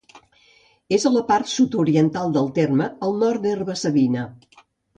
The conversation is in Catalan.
És a la part sud-oriental del terme, al nord d'Herba-savina.